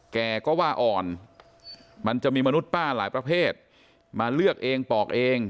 แกก็ว่าอ่อนมันจะมีมนุษย์ป้าหลายประเภทมาเลือกเองปอกเอง